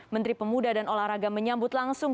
menteri pemuda dan olahraga menyambut langsung